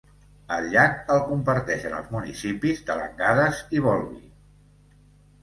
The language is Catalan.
El llac el comparteixen els municipis de Langadas i Volvi.